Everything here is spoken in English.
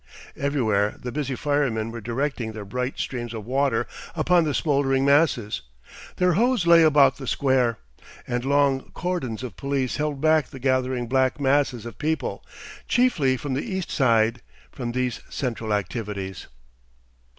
Everywhere the busy firemen were directing their bright streams of water upon the smouldering masses: their hose lay about the square, and long cordons of police held back the gathering black masses of people, chiefly from the east side, from these central activities.